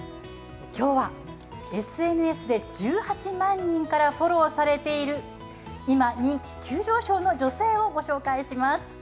きょうは、ＳＮＳで１８万人からフォローされている、今、人気急上昇の女性をご紹介します。